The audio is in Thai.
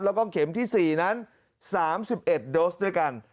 แล้วก็เข็มที่๔นั้น๓๑โดสด้วยกัน